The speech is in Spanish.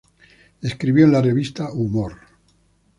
Escribió en la revista Humor.